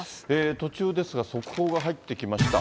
途中ですが、速報が入ってきました。